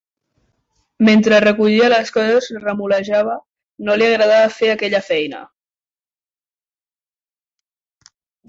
Mentre recollia les coses remolejava: no li agradava fer aquella feina.